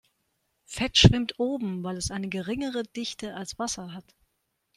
Fett schwimmt oben, weil es eine geringere Dichte als Wasser hat.